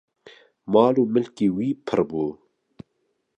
mal û milkê wî pir bû